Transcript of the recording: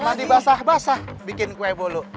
nanti basah basah bikin kue bolo